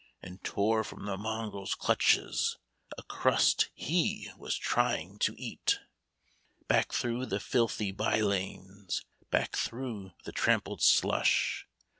And tore from the mongrel's clutches A crust he was trying to eat. " Back, through the filthy by lanes ! Back, through the trampled slush